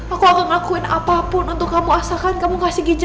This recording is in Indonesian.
aku akan ngelakuin apa pun untuk kamu asalkan kasih ginjal useful kamu percaya